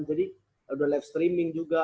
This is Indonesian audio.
jadi udah live streaming juga